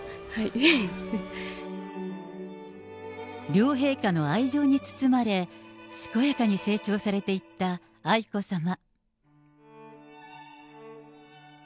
両陛下の愛情に包まれ、健やかに成長されていった愛子さま。